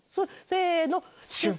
せのシュン。